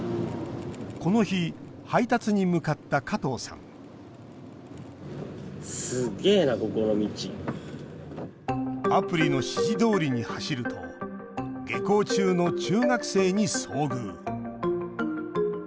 この日配達に向かった加藤さんアプリの指示どおりに走ると下校中の中学生に遭遇。